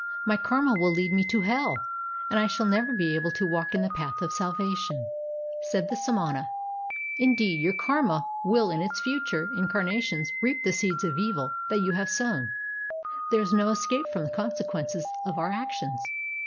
My karma will lead me to hell and I shall never be able to walk in the path of salvation." Said the samana :" Indeed your karma will in its future incarnations reap the seeds of evil that you have sown. There is no escape from the consequences of our actions.